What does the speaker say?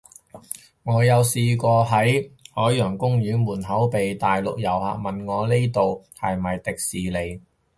我有試過喺海洋公園門口，被大陸遊客問我呢度係咪迪士尼